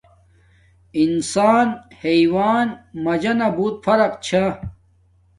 انسان حیوان مجانا بوت فرق چھا